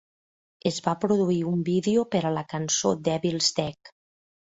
Es va produir un vídeo per a la cançó "Devil's Deck".